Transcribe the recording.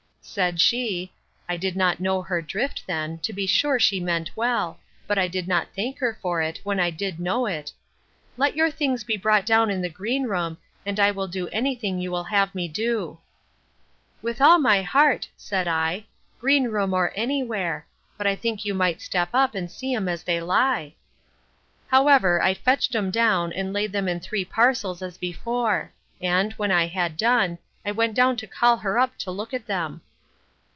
Said she, (I did not know her drift then; to be sure she meant well; but I did not thank her for it, when I did know it,) Let your things be brought down in the green room, and I will do any thing you will have me do. With all my heart, said I, green room or any where; but I think you might step up, and see 'em as they lie. However, I fetched 'em down, and laid them in three parcels, as before; and, when I had done, I went down to call her up to look at them.